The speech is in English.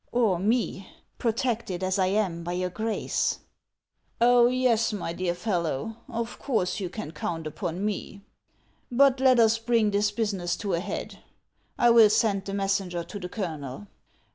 " Or me, protected as I am by your Grace ?"" Oh, yes, my dear fellow, of course you can count upon me ; but let us bring this business to a head. I will send the messenger to the colonel.